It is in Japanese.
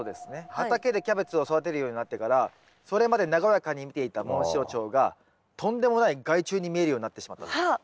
畑でキャベツを育てるようになってからそれまで和やかに見ていたモンシロチョウがとんでもない害虫に見えるようになってしまったという。